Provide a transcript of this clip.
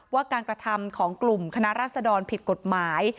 ว่าการกระทำของกลุ่มคณะรัศดรผิดกฎหมาย